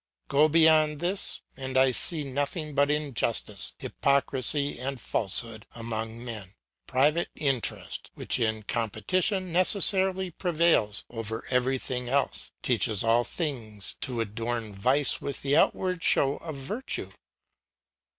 Go beyond this, and I see nothing but injustice, hypocrisy, and falsehood among men; private interest, which in competition necessarily prevails over everything else, teaches all things to adorn vice with the outward show of virtue.